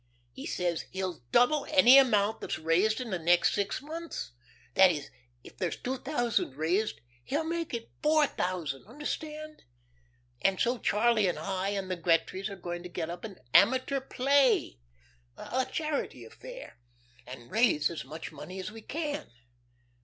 He says he'll double any amount that's raised in the next six months that is, if there's two thousand raised, he'll make it four thousand; understand? And so Charlie and I and the Gretrys are going to get up an amateur play a charity affair and raise as much money as we can.